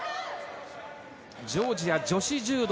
ジョージア女子柔道